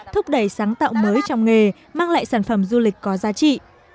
thúc đẩy sáng tạo mới trong nghề mang lại sản phẩm du lịch có giá trị